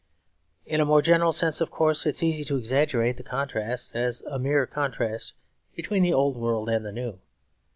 In a more general sense, of course, it is easy to exaggerate the contrast as a mere contrast between the old world and the new.